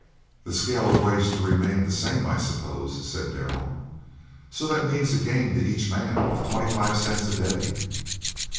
"The scale of wages to remain the same, I suppose," said Darrell; "so that means a gain to each man of twenty five cents a day?"